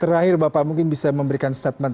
terakhir bapak mungkin bisa memberikan statement